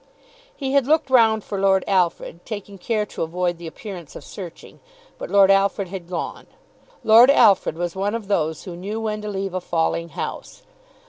He had looked round for Lord Alfred, taking care to avoid the appearance of searching; but Lord Alfred had gone. Lord Alfred was one of those who knew when to leave a falling house.